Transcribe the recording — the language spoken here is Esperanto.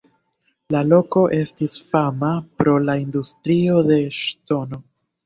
La loko estis fama pro la industrio el ŝtono.